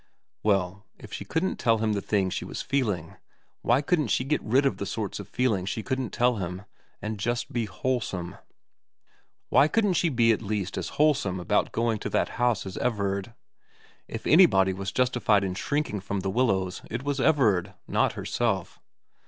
Well, if she couldn't tell him the things she was feeling, why couldn't she get rid of the sorts of feelings she couldn't tell him, and just be wholesome ? Why couldn't she be at least as wholesome about going to that house as Everard ? If anybody was justified in shrinking from The Willows it was Everard, not herself.